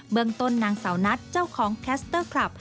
เมืองต้นนางสาวนัทเจ้าของแคสเตอร์คลับ